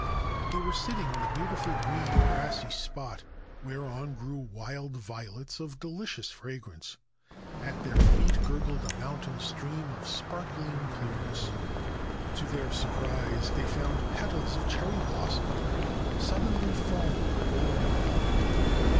They were sitting on a beautiful green grassy spot, whereon grew wild violets of delicious fragrance ; at their feet gurgled a mountain stream of sparkling clear ness. To their surprise, they found petals of cherry blossom suddenly falling all round them.